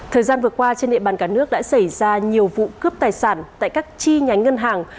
thời gian vừa qua trên địa bàn cả nước đã xảy ra nhiều vụ cướp tài sản tại các chi nhánh ngân hàng